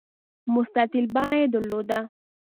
مستطیل بڼه یې درلوده.